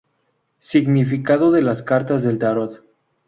Significado de las cartas del tarot.